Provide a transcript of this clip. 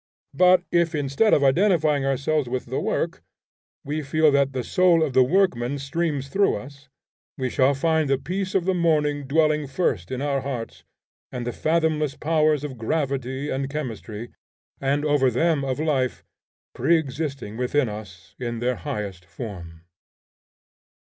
But if, instead of identifying ourselves with the work, we feel that the soul of the workman streams through us, we shall find the peace of the morning dwelling first in our hearts, and the fathomless powers of gravity and chemistry, and, over them, of life, preexisting within us in their highest form.